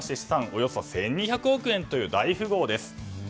およそ１２００億円という大富豪です。